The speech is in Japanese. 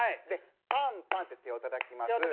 でパンパンって手をたたきます。